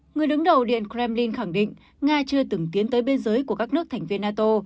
người đứng đầu điện kremlin khẳng định nga chưa từng tiến tới biên giới của các nước thành viên nato